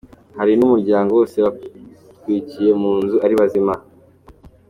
Hari n’umuryango wose batwikiye mu nzu ari bazima.”